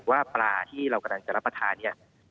ว่าปลาที่เรากำลังจะรับประทานเนี่ย